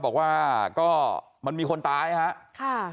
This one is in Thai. บอกว่าก็มันมีคนตายนะฮะค่ะ